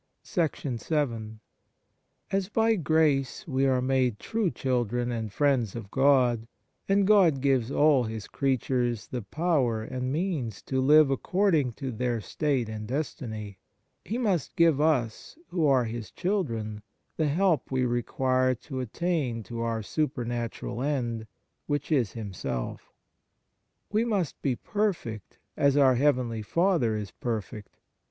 vii AS by grace we are made true children and friends of God, and God gives all His creatures the power and means to live according to their state and destiny, He must give us, who are His children, the help we require to attain to our super natural end, which is Himself. We must be perfect as our heavenly Father is perfect.